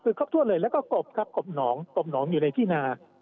คือครบทั่วเลยแล้วก็กบครับกบหนองอยู่ในที่นา